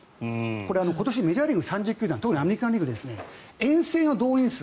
これは、今年メジャーリーグ３０球団特にアメリカン・リーグ遠征の動員数